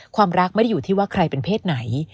ความรักไม่ได้อยู่ที่ว่าใครเป็นเพศไหน